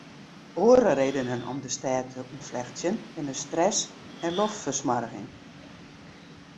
Oare redenen om de stêd te ûntflechtsjen binne stress en loftfersmoarging.